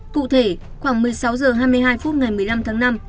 cụ thể khoảng một mươi sáu h hai mươi hai phút ngày một mươi năm tháng năm